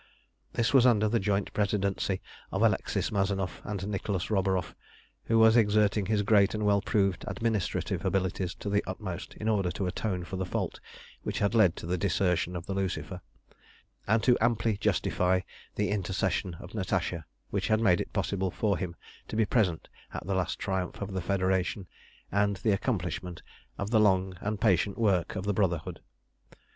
This was under the joint presidency of Alexis Mazanoff and Nicholas Roburoff, who was exerting his great and well proved administrative abilities to the utmost in order to atone for the fault which had led to the desertion of the Lucifer, and to amply justify the intercession of Natasha which had made it possible for him to be present at the last triumph of the Federation and the accomplishment of the long and patient work of the Brotherhood.